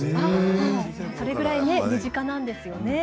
それぐらい身近なんですよね。